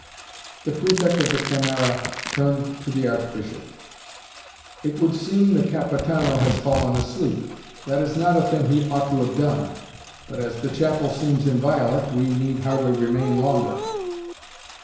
The Prefect of the Camera turned to the Archbishop. "It would seem the Capitano has fallen asleep. That is not a thing he ought to have done but as the chapel seems inviolate we need hardly remain longer."